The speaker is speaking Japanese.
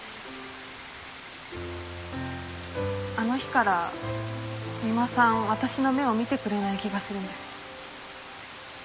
あの日から三馬さん私の目を見てくれない気がするんです。